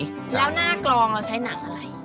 แล้วหน้ากลองเราใช้หนังอะไร